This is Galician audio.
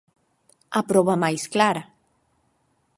A proba máis clara.